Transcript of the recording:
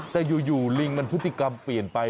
แต่อยู่ลิงมันพฤติกรรมเปลี่ยนไป